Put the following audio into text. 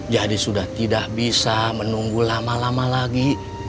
jadi sudah tidak bisa menunggu lama lama lagi